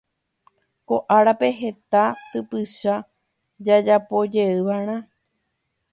Ko árape heta typycha jajapojeyvaʼerã.